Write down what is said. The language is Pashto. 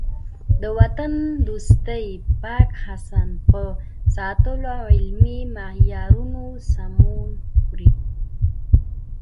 د وطن دوستۍ پاک حس په ساتلو او علمي معیارونو سمون خوري.